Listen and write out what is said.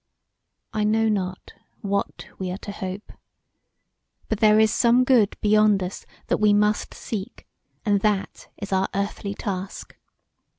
I know not what we are to hope; but there is some good beyond us that we must seek; and that is our earthly task.